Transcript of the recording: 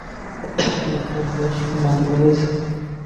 লোকটার বেশ সুনাম রয়েছে।